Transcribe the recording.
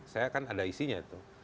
saya kan ada isinya itu